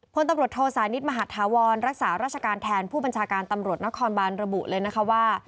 พลตำรวจโทสานิทมหาธาวรรักษาราชการแทนผู้บัญชาการตำรวจนครบานระบุเลยนะคะว่า